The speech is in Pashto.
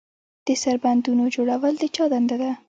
د سربندونو جوړول د چا دنده ده؟